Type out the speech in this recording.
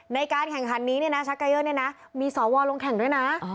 ในการแข่งขันนี้เนี่ยนะชักเกยอร์เนี่ยนะมีสวลงแข่งด้วยนะ